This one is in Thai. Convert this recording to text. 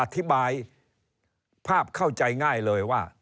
อธิบายภาพเข้าใจง่ายเลยว่า